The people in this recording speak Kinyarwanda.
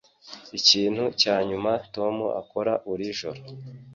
Ikintu cya nyuma Tom akora buri joro